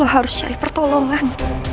lo harus cari pertolongan